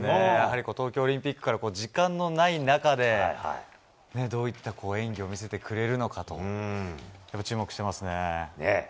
東京オリンピックから時間のない中でどういった演技を見せてくれるのかと注目してますね。